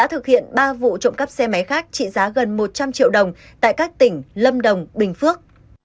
huyện ba vụ trụ cấp xe máy khác trị giá gần một trăm linh triệu đồng tại các tỉnh lâm đồng bình phước